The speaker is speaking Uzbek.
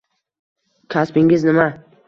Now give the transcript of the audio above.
Kasbingiz nima?